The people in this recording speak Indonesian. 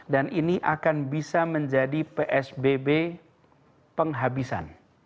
dan ini akan bisa menjadi pspb penghabisan